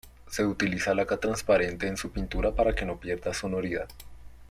Se utiliza laca transparente en su pintura para que no pierda sonoridad.